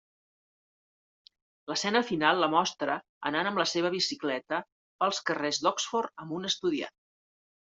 L'escena final la mostra anant amb la seva bicicleta pels carrers d'Oxford amb un estudiant.